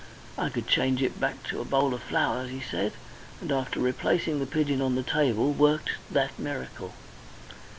"I could change it back to a bowl of flowers," he said, and after replacing the pigeon on the table worked that miracle.